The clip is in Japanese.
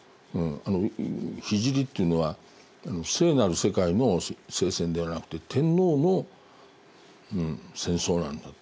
聖っていうのは聖なる世界の聖戦ではなくて天皇の戦争なんだと。